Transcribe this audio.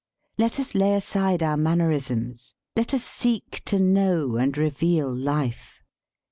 Let us lay aside our man | nerisms. Let us seek to know and re veal j life.